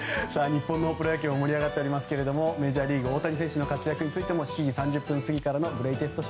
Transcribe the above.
日本のプロ野球も盛り上がっておりますがメジャーリーグの大谷選手の活躍についても７時３０分過ぎからのグレイテスト